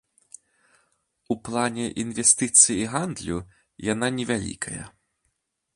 У плане інвестыцый і гандлю яна невялікая.